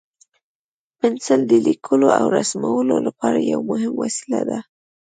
پنسل د لیکلو او رسمولو لپاره یو مهم وسیله ده.